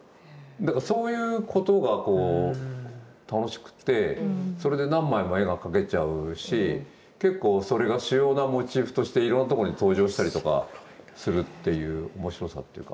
だからそういうことがこう楽しくてそれで何枚も絵が描けちゃうし結構それが主要なモチーフとしていろんなとこに登場したりとかするっていう面白さっていうか。